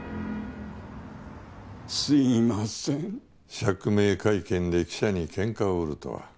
釈明会見で記者にけんかを売るとは。